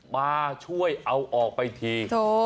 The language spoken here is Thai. มาช่วยเอาออกไปที